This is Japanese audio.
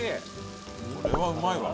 これはうまいわ。